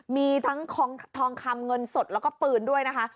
มีทั้งทองคำเงินสดแล้วก็ปืนด้วยนะคะ